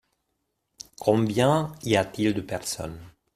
Combien y a-t-il de personnes ?